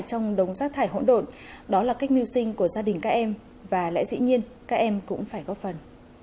trong đống rác thải hỗn độn đó là cách mưu sinh của gia đình các em và lẽ dĩ nhiên các em cũng phải góp phần